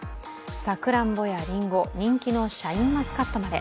さくらんぼやりんご人気のシャインマスカットまで。